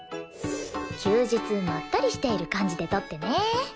休日まったりしている感じで撮ってね。